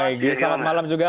pak egy selamat malam juga